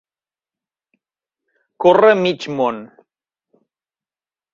Córrer mig món.